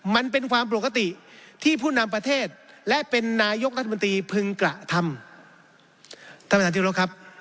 มันเป็นความปกติที่ผู้นำประเทศและเป็นนายกราชมนตรีพึงกระทำ